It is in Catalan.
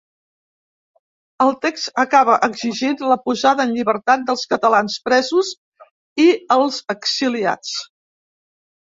El text acaba exigint la posada en llibertat dels catalans presos i els exiliats.